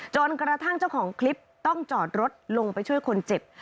กระทั่งเจ้าของคลิปต้องจอดรถลงไปช่วยคนเจ็บ